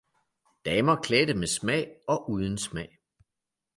Damer klædte med smag og uden smag.